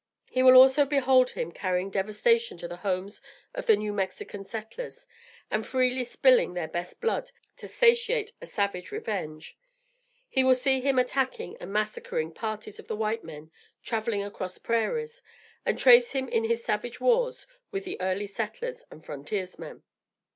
He will also behold him carrying devastation to the homes of the New Mexican settlers, and freely spilling their best blood to satiate a savage revenge. He will see him attacking and massacring parties of the white men traveling across the prairies, and trace him in his savage wars with the early settlers and frontiersmen.